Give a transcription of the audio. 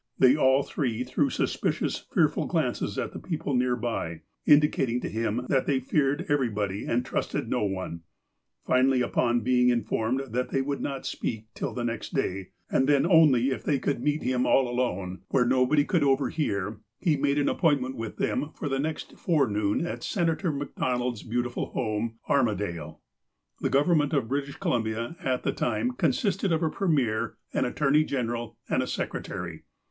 They all three threw suspicious, fearful glances at the people near by, indicating to him that they feared every body, and trusted no one. Finally, upon being informed that they would not speak till the next day, and then only if they could meet THE LAST BLOW 285 him all alone, where nobody could overhear, he made an appointment with them for the next forenoon at Senator MacDonald's beautiful home, "Armadale." The Government of British Columbia, at the time, consisted of a premier, an attorney general, and a secretary.